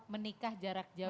menikah jarak jauh